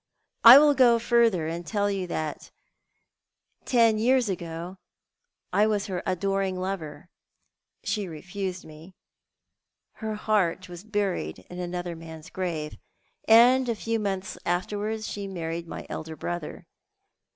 I will go further, and tell you that ten years ago I was her adoring lover. Sho refused me — her heart was buried in another man's grave — and a few months afterwards she married my elder brother.